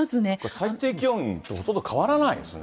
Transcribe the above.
最低気温とほとんど変わらないですね。